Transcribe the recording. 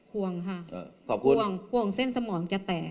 ห่วงห่วงเส้นสมองจะแตก